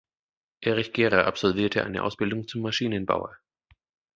Erich Gerer absolvierte eine Ausbildung zum Maschinenbauer.